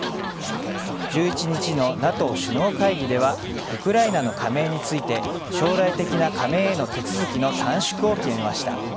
１１日のＮＡＴＯ首脳会議ではウクライナの加盟について将来的な加盟への手続きの短縮を決めました。